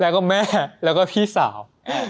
แล้วก็แม่แล้วก็พี่สาว